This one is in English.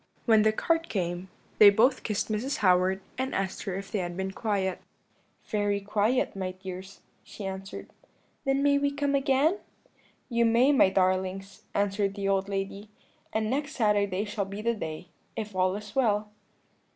When the cart came they both kissed Mrs. Howard, and asked her if they had been quiet. "'Very quiet, my dears,' she answered. "'Then may we come again?' "'You may, my darlings,' answered the old lady; 'and next Saturday shall be the day, if all is well.'